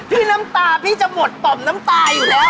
น้ำตาพี่จะหมดต่อมน้ำตายอยู่แล้ว